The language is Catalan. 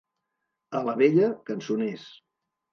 A l'Abella, cançoners.